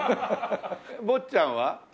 坊ちゃんは？